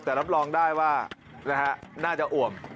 แต่รับรองได้ว่าน่าจะอวบ